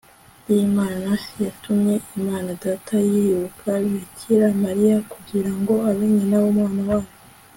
y'imana, yatumye imana data yibuka bikira mariya kugira ngo abe nyina w'umwana wayo